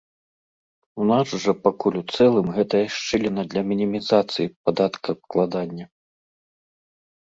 У нас жа пакуль у цэлым гэтая шчыліна для мінімізацыі падаткаабкладання.